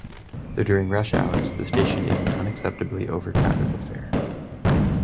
Though during rush hours the station is an unacceptably over crowded affair.